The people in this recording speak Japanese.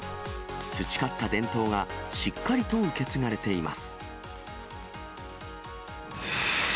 培った伝統がしっかりと受け継がれています。